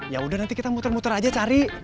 yaudah nanti kita muter dua aja cari